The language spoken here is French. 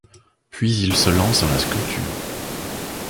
Puis il se lance dans la sculpture.